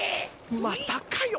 またかよ。